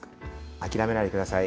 諦めないでください。